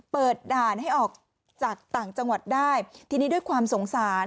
ด่านให้ออกจากต่างจังหวัดได้ทีนี้ด้วยความสงสาร